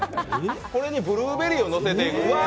これにブルーベリーをのせていくうわ。